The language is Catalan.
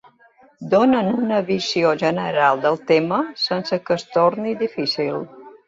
Donen una visió general del tema sense que es torni difícil.